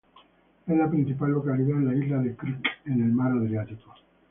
Es la principal localidad en la isla de Krk en el mar Adriático.